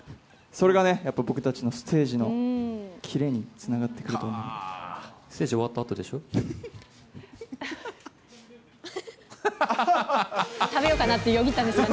それがね、やっぱり僕たちのステージのキレにつながってくると思うので。